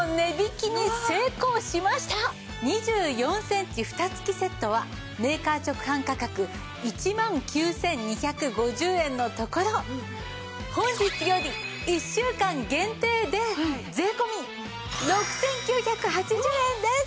２４センチフタ付きセットはメーカー直販価格１万９２５０円のところ本日より１週間限定で税込６９８０円です。